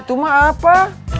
itu mah apa